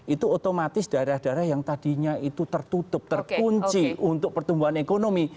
itu otomatis daerah daerah yang tadinya itu tertutup terkunci untuk pertumbuhan ekonomi